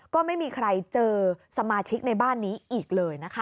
ก็ไม่มีใครเจอสมาชิกในบ้านนี้อีกเลยนะคะ